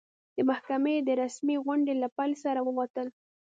د محکمې د رسمي غونډې له پیل سره ووتل.